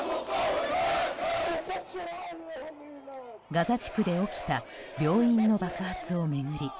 ガザ地区で起きた病院の爆発を巡り